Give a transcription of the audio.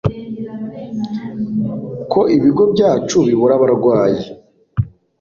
ko ibigo byacu bibura abarwayi